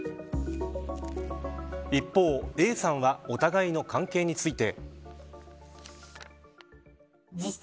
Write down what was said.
一方、Ａさんはお互いの関係について。